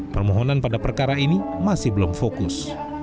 permohonan pada perkara ini masih belum fokus